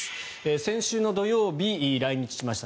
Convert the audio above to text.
先週の土曜日、来日しました。